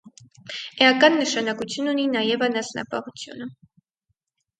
Էական նշանակություն ունի նաև անասնապահությունը։